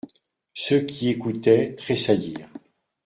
Ceux qui écoutaient tressaillirent.